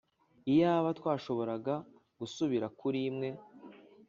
iyaba twashoboraga gusubira kuri imwe.